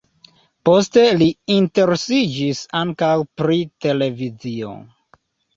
Poste li interesiĝis ankaŭ pri televizio.